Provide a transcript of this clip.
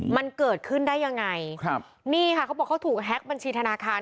มันเกิดขึ้นได้ยังไงครับนี่ค่ะเขาบอกเขาถูกแฮ็กบัญชีธนาคาร